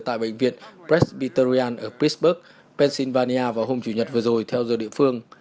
tại bệnh viện presbyterian ở pittsburgh pennsylvania vào hôm chủ nhật vừa rồi theo giờ địa phương